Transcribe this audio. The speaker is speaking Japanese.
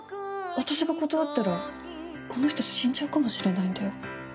私が断ったらこの人、死んじゃうかもしれないんだよ。